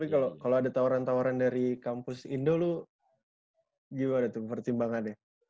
tapi kalo ada tawaran tawaran dari kampus indo lu gimana tuh pertimbangan ya